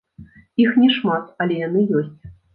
Іх не шмат, але яны ёсць.